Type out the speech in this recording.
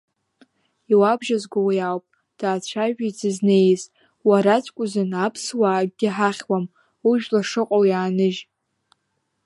Иуабжьазго уи ауп, даацәажәеит дзызнеиз, уараӡәк узын аԥсуаа акгьы ҳахьуам, ужәла шыҟоу иааныжь…